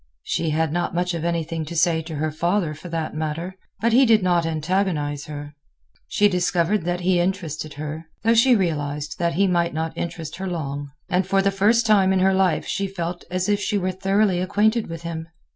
She had not much of anything to say to her father, for that matter; but he did not antagonize her. She discovered that he interested her, though she realized that he might not interest her long; and for the first time in her life she felt as if she were thoroughly acquainted with him.